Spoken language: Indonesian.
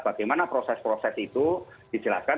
bagaimana proses proses itu dijelaskan